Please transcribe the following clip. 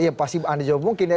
yang pasti anda jawab mungkin ya